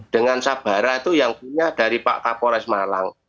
dengan sabara itu yang punya dari pak kapolres malang